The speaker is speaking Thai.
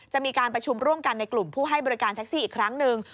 จะมีการประชุมร่วมกันในกลุ่มผู้ให้บริการแท็กซี่อีกครั้งหนึ่ง